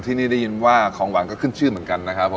ที่นี่ได้ยินว่าของหวานก็ขึ้นชื่อเหมือนกันนะครับผม